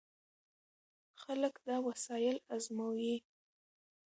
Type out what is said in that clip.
خلک دا وسایل ازمويي.